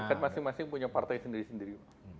kan masing masing punya partai sendiri sendiri